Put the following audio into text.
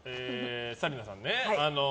紗理奈さんね。